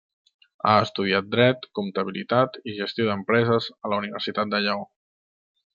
Ha estudiat Dret, Comptabilitat i Gestió d'Empreses a la Universitat de Lleó.